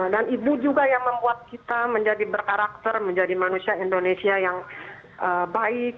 dan ibu juga yang membuat kita menjadi berkarakter menjadi manusia indonesia yang baik